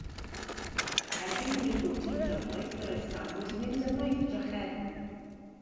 Erbyn i mi godi drannoeth, yr oedd Sam wedi mynd ymaith drachefn.